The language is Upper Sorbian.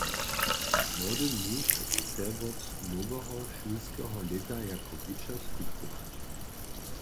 Młody muž chce wot noweho šulskeho lěta jako wučer skutkować.